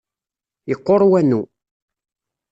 Yeqqur wanu.